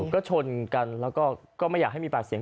ก็ชนกันแล้วก็ไม่อยากให้มีปากเสียง